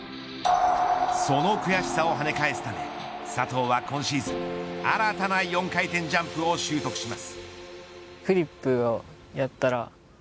その悔しさを跳ね返すため佐藤は今シーズン新たな４回転ジャンプを習得します。